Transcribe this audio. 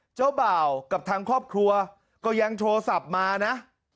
เจ้าบ่าวกับทางครอบครัวก็ยังโทรศัพท์มานะ